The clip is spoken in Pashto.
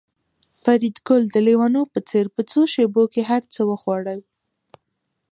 فریدګل د لېونو په څېر په څو شېبو کې هرڅه وخوړل